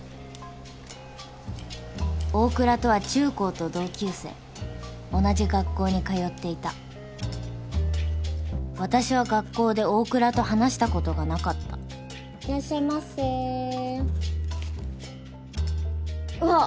大倉とは中高と同級生同じ学校に通っていた私は学校で大倉と話したことがなかったいらっしゃいませうわっ